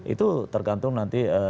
itu tergantung nanti